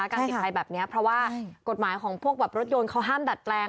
การติดภัยแบบนี้เพราะว่ากฎหมายของพวกแบบรถยนต์เขาห้ามดัดแปลง